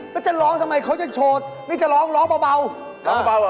พี่ช่วยคตฝ่าแเป็นไงไม่ต้องเต้นแล้ว